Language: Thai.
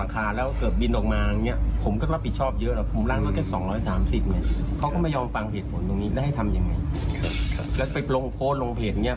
ก็ยอมฟังเหตุผลตรงนี้แล้วให้ทำยังไงแล้วไปโพสต์ลงเพจเนี่ย